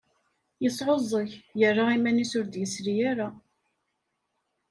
Yesεuẓẓeg, yerra iman-is ur d-yesli ara.